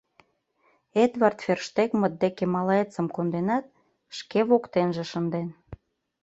Эдвард Ферштегмыт деке малаецым конденат, шке воктенже шынден.